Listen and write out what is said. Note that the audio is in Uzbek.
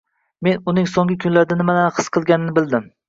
Men uning soʻnggi kunlarda nimalarni his qilganini bildim